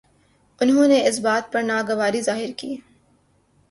انہوں نے اس بات پر ناگواری ظاہر کی